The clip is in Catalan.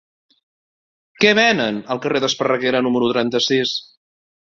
Què venen al carrer d'Esparreguera número trenta-sis?